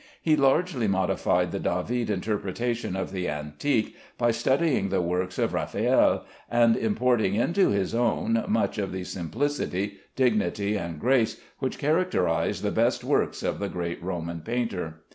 He largely modified the David interpretation of the antique by studying the works of Raffaelle, and importing into his own much of the simplicity, dignity, and grace which characterize the best works of the great Roman painter.